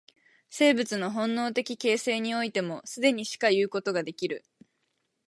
生物の本能的形成においても、既にしかいうことができる。